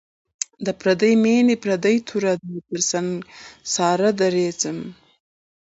د پردۍ میني پردی تور دی تر سنگساره درځم